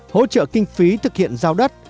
hỗ trợ kinh phí thực hiện giao đất